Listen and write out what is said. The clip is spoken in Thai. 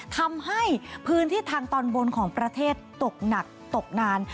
ทำให้พื้นที่ทางตอนบนของประเทศตกหนักตกนาน